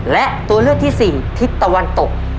และตัวเลือกที่๔ทิศตะวันตก